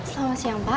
selamat siang pak